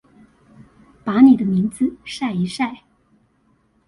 把你的名字曬一曬